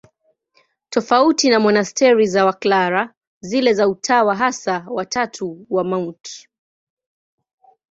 Tofauti na monasteri za Waklara, zile za Utawa Hasa wa Tatu wa Mt.